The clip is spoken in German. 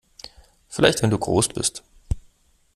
Vielleicht wenn du groß bist!